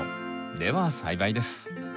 では栽培です。